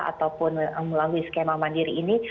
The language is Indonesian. ataupun melalui skema mandiri ini